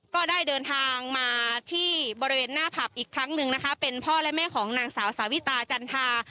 ก็ได้เดินทางมาที่บริเวณหน้าผับอีกครั้งหนึ่งนะคะเป็นพ่อและแม่ของนางสาวสาวิตาจันทา